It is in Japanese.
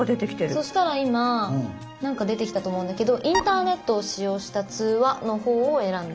そしたら今何か出てきたと思うんだけど「インターネットを使用した通話」の方を選んで。